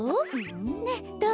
ねっどう？